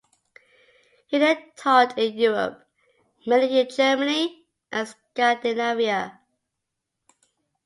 He then taught in Europe, mainly in Germany and Scandinavia.